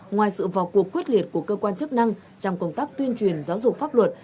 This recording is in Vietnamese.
ngoài sự vào cuộc quyết liệt của cơ quan chức năng trong công tác tuyên truyền giáo dục pháp luật